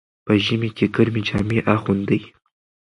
په ژمي کې ګرمې جامې اغوندئ.